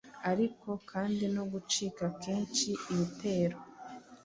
ariko kandi no gucika kenshi ibitero